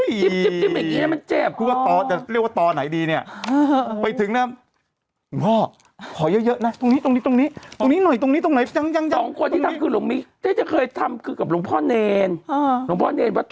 ถ้าคุณคิดในใจว่าพอเห็นมดดำท่านคงอยากจะจำวัดแล้ว